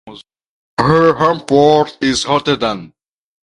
Her home port is Rotterdam.